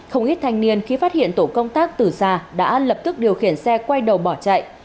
không ít thanh niên khi phát hiện tổ công tác từ xa đã lập tức điều khiển xe quay đầu bỏ chạy